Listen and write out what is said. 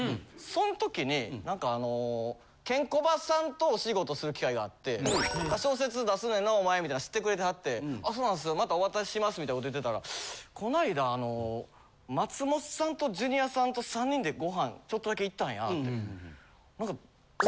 そん時に何かあのケンコバさんとお仕事する機会があって「小説出すねんなお前」みたいな知ってくれてはって「そうなんですよまたお渡しします」みたいなこと言ってたら「こないだあの松本さんとジュニアさんと３人でご飯ちょっとだけ行ったんや」って。